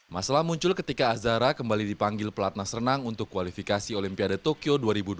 masalah muncul ketika azahra kembali dipanggil pelatnah serenang untuk kualifikasi olimpiade tokyo dua ribu dua puluh satu